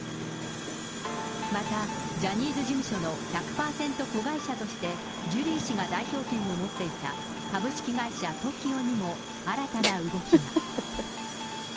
また、ジャニーズ事務所の１００％子会社として、ジュリー氏が代表権を持っていた株式会社ＴＯＫＩＯにも新たな動きが。